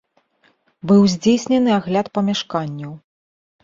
Быў здзейснены агляд памяшканняў.